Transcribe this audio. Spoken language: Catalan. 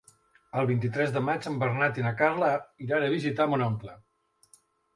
El vint-i-tres de maig en Bernat i na Carla iran a visitar mon oncle.